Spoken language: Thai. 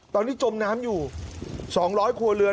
ตอนนี้จมน้ำอยู่๒๐๐ครัวเรือน